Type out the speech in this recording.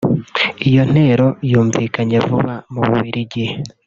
Iyo ntero yumvikanye vuba mu Bubiligi